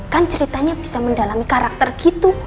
kan ceritanya bisa mendalami karakter gitu